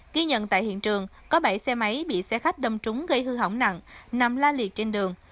ghi nhận tại hiện trường có bảy xe máy bị xe khách đâm trúng gây hư hỏng nặng nằm la liệt trên đường